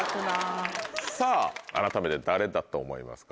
さぁあらためて誰だと思いますか？